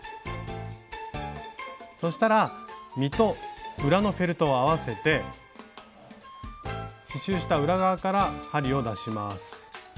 そしたら実と裏のフェルトを合わせて刺しゅうした裏側から針を出します。